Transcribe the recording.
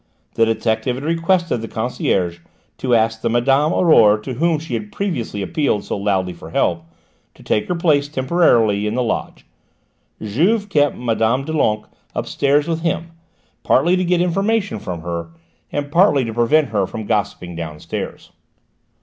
The detective had requested the concierge to ask the Madame Aurore to whom she had previously appealed so loudly for help, to take her place temporarily in the lodge. Juve kept Mme. Doulenques upstairs with him partly to get information from her, and partly to prevent her from gossiping downstairs.